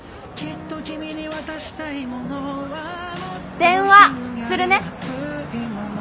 電話するね。